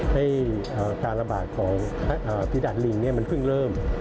ให้การระบาดของพิกัดลิงมันเพิ่งเริ่ม